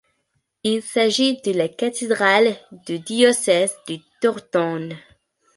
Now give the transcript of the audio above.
Il s'agit de la cathédrale du diocèse de Tortone.